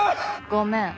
ごめん。